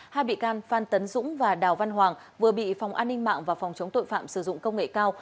hai bị can phan tấn dũng và đào văn hoàng vừa bị phòng an ninh mạng và phòng chống tội phạm sử dụng công nghệ cao